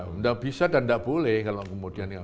gak bisa dan gak boleh kalau kemudian